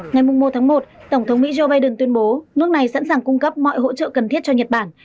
ngày một một tổng thống mỹ joe biden tuyên bố nước này sẵn sàng cung cấp mọi hỗ trợ cần thiết cho nhật bản